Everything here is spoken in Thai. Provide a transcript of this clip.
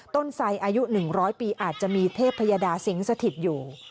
ไสอายุ๑๐๐ปีอาจจะมีเทพยดาสิงสถิตอยู่